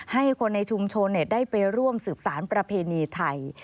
ให้คนในชุมชนได้ไปร่วมสืบสารประเพณีไทย